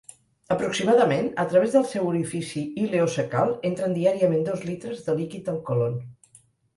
Aproximadament, a través del seu orifici ileocecal entren diàriament dos litres de líquid al còlon.